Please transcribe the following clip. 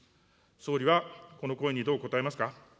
総理はこの声にどう応えますか。